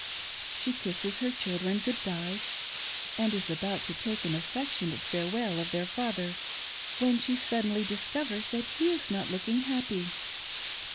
She kisses her children good bye, and is about to take an affectionate farewell of their father when she suddenly discovers that he is not looking happy.